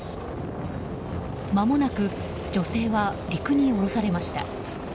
まもなく女性は陸に降ろされました。